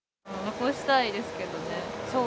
残したいですけどね、しょう